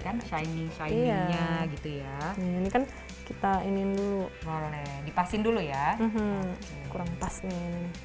kan shiny shiny nya gitu ya ini kan kita iniin dulu boleh dipasin dulu ya kurang pas nih